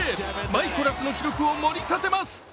マイコラスの記録を盛り上げます。